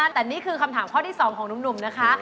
แต่นี่คือคำถามข้อที่๒ของหนุ่มนะคะ